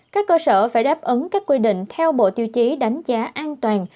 các cơ sở phải đáp ứng các quy định theo bộ tiêu chí đánh giá an toàn